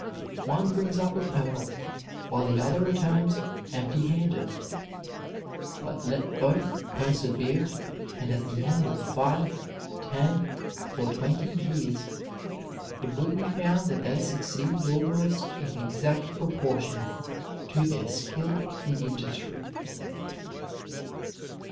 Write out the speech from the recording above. One brings up a pearl, while the other returns empty handed. But let both persevere and at the end of five, ten, or twenty years it will be found that they succeeded almost in exact proportion to their skill and industry.